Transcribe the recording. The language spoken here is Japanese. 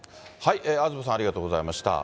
東さん、ありがとうございました。